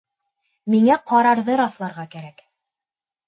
Миңә ҡарарҙы раҫларға кәрәк.